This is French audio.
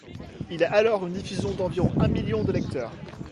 Il a alors une diffusion d'environ un million de lecteurs.